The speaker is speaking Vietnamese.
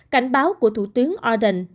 cảnh báo của thủ tướng ardern